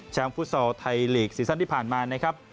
ฟุตซอลไทยลีกซีซั่นที่ผ่านมานะครับ